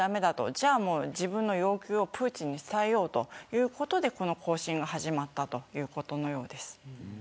じゃあ、自分の要求をプーチンに伝えようということでこの行進が始まったということのようです。